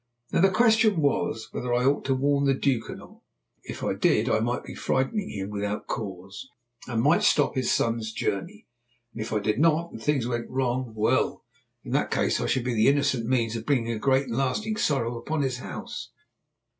Now the question was whether I ought to warn the Duke or not? If I did I might be frightening him without cause, and might stop his son's journey; and if I did not, and things went wrong well, in that case, I should be the innocent means of bringing a great and lasting sorrow upon his house.